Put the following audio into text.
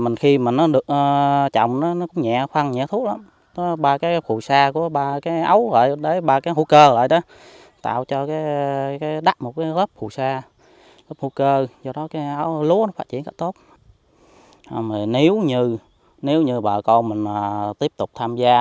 nếu như bà con tiếp tục tham gia